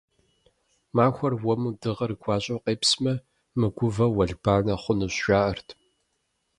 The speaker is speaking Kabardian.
Махуэр уэму дыгъэр гуащӀэу къепсмэ, мыгувэу уэлбанэ хъунущ, жаӀэрт.